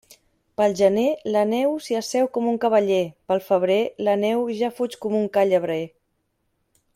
Pel gener, la neu s'hi asseu com un cavaller; pel febrer, la neu ja fuig com un ca llebrer.